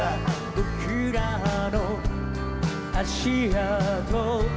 「僕らの足跡」